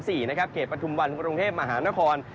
เขียดปฎุมวันคุณภัทรงเทพมหานคร